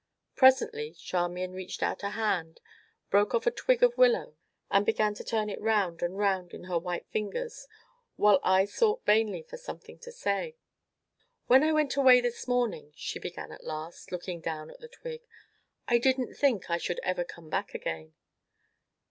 Presently Charmian reached out a hand, broke off a twig of willow and began to turn it round and round in her white fingers, while I sought vainly for something to say. "When I went away this morning," she began at last, looking down at the twig, "I didn't think I should ever come back again."